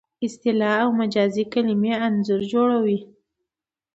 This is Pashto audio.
اصطلاح او مجازي کلمې انځور جوړوي